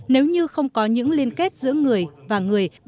nếu như không có những liên kết giữa người và người